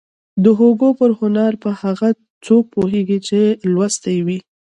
د هوګو پر هنر به هغه څوک پوهېږي چې لوستی يې وي.